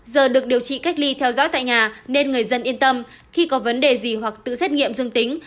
giờ được điều trị cách ly theo dõi tại nhà nên người dân yên tâm khi có vấn đề gì hoặc tự xét nghiệm dương tính